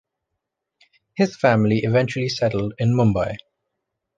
His family eventually settled in Mumbai.